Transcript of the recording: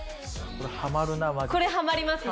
これハマりますね。